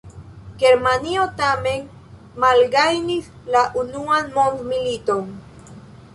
Germanio tamen malgajnis la Unuan mondmiliton.